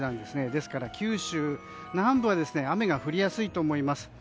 ですから九州南部は雨が降りやすいと思います。